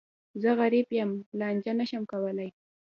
زه غریب یم، لانجه نه شم کولای.